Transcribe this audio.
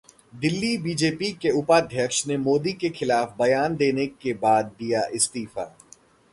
Delhi BJP के उपाध्यक्ष ने मोदी के खिलाफ बयान देने के बाद दिया इस्तीफा